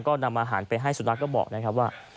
ก็นำอาหารไปให้สุนัขก็บอกนะครับว่า